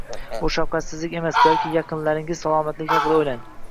Bu shafqatsizlik emas, balki yaqinlaringiz salomatligi haqida o'ylang